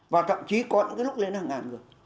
và thậm chí có những cái lúc lên hàng ngàn người